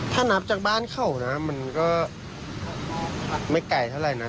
ถ้านับจากบ้านเขานะมันก็ไม่ไกลเท่าไหร่นะ